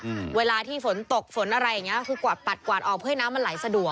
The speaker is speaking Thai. อืมเวลาที่ฝนตกฝนอะไรอย่างเงี้ยคือกวาดปัดกวาดออกเพื่อให้น้ำมันไหลสะดวก